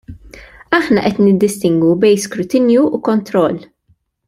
Aħna qed niddistingwu bejn skrutinju u kontroll.